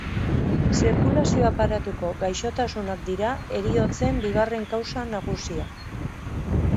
Zirkulazio aparatuko gaixotasunak dira heriotzen bigarren kausa nagusia.